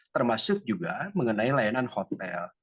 termasuk juga mengenai layanan hotel